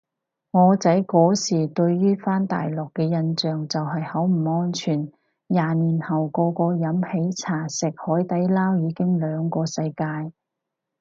我仔嗰時對於返大陸嘅印象就係好唔安全，廿年後個個飲喜茶食海底撈已經兩個世界